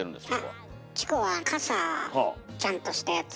あっチコはあっちゃんとしたやつ。